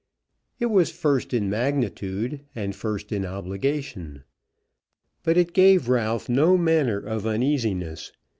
It was first in magnitude, and first in obligation; but it gave Ralph no manner of uneasiness.